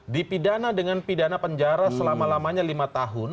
dipidana dengan pidana penjara selama lamanya lima tahun